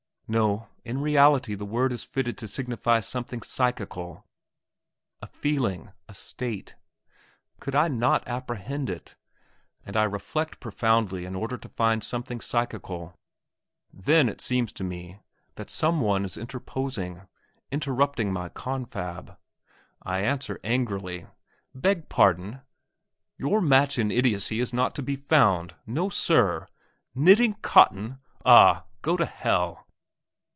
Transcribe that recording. No; in reality the word is fitted to signify something psychical, a feeling, a state. Could I not apprehend it? and I reflect profoundly in order to find something psychical. Then it seems to me that some one is interposing, interrupting my confab. I answer angrily, "Beg pardon! Your match in idiocy is not to be found; no, sir! Knitting cotton? Ah! go to hell!"